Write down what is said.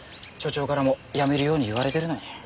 所長からもやめるように言われてるのに。